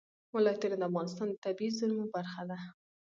ولایتونه د افغانستان د طبیعي زیرمو برخه ده.